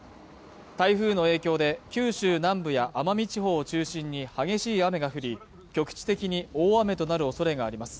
台風の影響で九州南部や奄美地方を中心に激しい雨が降り局地的に大雨となるおそれがあります